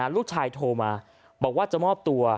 ลูกชายโทรมาบอกว่าจะมอบตัว